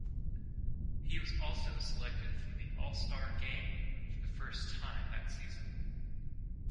He was also selected for the All-Star Game for the first time that season.